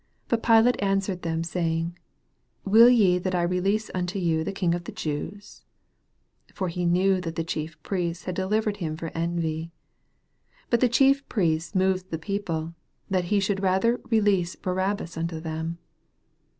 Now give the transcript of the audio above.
9 But Pilate answered them, say ing, Will ye that I release unto yon the King of the Jews ? 10 For he knew that the Chief Priests had delivered him for envy. 11 But the Chief Priests moved the people, that he should rather release Barabbas unto them.